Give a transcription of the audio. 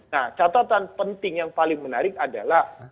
nah catatan penting yang paling menarik adalah